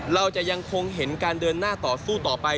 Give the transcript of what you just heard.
เราจะยังคงเห็นการเดินหน้าต่อสู้ต่อไป